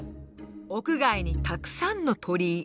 屋外にたくさんの鳥居。